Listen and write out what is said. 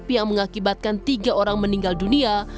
yang mengakibatkan tiga orang meninggal dunia